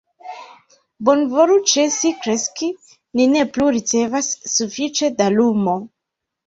"Bonvolu ĉesi kreski, ni ne plu ricevas sufiĉe da lumo."